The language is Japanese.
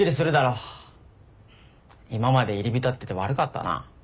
今まで入り浸ってて悪かったな。